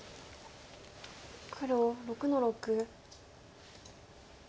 黒６の六。